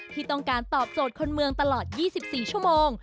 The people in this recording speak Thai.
ที่ต้องการตอบโจทย์คนเมืองตลอด๒๔ชั่วโมง